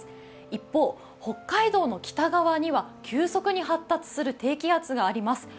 一方、北海道の北側には急速に発達する低気圧があります。